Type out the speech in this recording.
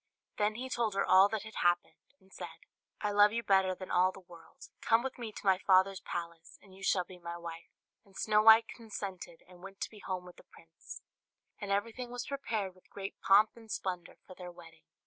Then he told her all that had happened, and said, "I love you better than all the world; come with me to my father's palace, and you shall be my wife." And Snow White consented, and went home with the prince; and everything was prepared with great pomp and splendour for their wedding.